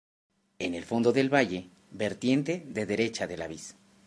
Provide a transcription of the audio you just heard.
En el fondo del valle, vertiente de derecha de la Vis.